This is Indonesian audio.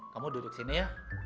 kamu duduk sini ya